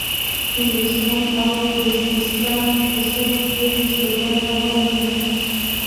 هندوستان او د سیستان په سیمو کې هستوګنه غوره کړه.